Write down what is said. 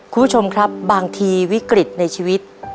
คุณผู้ชมครับบางทีวิกฤตในชีวิต